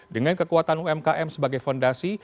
dengan kekuatan umkm sebagai fondasi